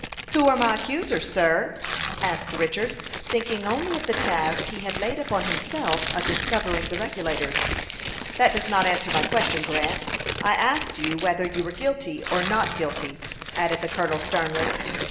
"Who are my accusers, sir?" asked Richard, thinking only of the task he had laid upon himself of discovering the Regulators. "That does not answer my question, Grant. I asked you whether you were guilty or not guilty," added the colonel, sternly.